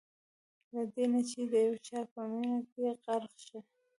له دې نه چې د یو چا په مینه کې غرق شئ.